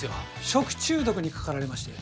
食中毒にかかられまして。